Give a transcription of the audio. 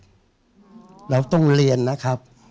เราต้องเรียนนะครับ